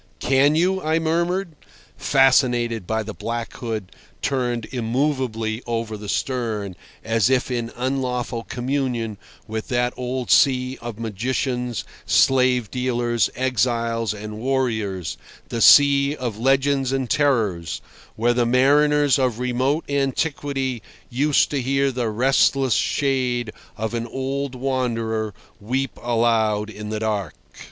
"Can you?" I murmured, fascinated by the black hood turned immovably over the stern, as if in unlawful communion with that old sea of magicians, slave dealers, exiles and warriors, the sea of legends and terrors, where the mariners of remote antiquity used to hear the restless shade of an old wanderer weep aloud in the dark.